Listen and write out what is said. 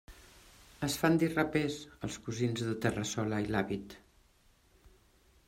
Es fan dir rapers, els cosins de Terrassola i Lavit.